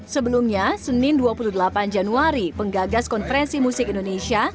sebelumnya senin dua puluh delapan januari penggagas konferensi musik indonesia